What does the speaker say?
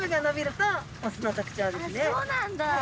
あっそうなんだ。